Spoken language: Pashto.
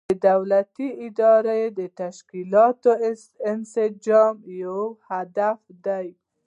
د دولت د اداري تشکیلاتو انسجام یو هدف دی.